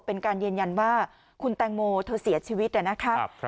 เป็นการยืนยันว่าคุณแตงโมเธอเสียชีวิตนะครับ